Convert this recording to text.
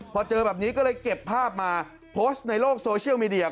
พอเจอแบบนี้ก็เลยเก็บภาพมาโพสต์ในโลกโซเชียลมีเดีย